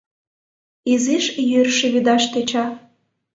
Изиш йӱр шӱведаш тӧча.